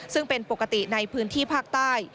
ซึ่งเป็นปกติในพื้นที่ภาคใต้